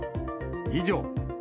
以上。